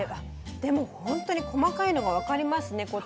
でも本当に細かいのが分かりますね